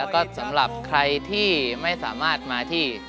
ก็สำหรับใครที่ไม่สามารถมาที่